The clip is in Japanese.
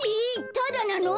タダなの？